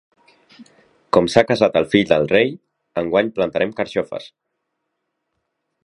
Com s'ha casat el fill del rei, enguany plantarem carxofes.